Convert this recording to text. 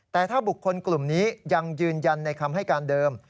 แต่ถ้าบุคคลกลุ่มนี้ยังยืนยันในคำให้การเดิม